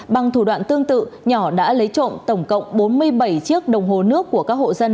bằng thủ đoạn tương tự nhỏ đã lấy trộm tổng cộng bốn mươi bảy chiếc đồng hồ nước của các hộ dân